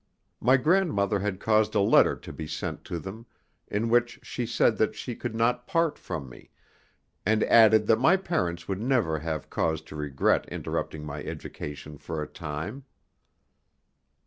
My grandmother had caused a letter to be sent to them in which she said that she could not part from me, and added that my parents would never have cause to regret interrupting my education for a time.